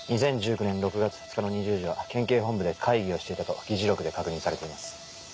２０１９年６月２日の２０時は県警本部で会議をしていたと議事録で確認されています。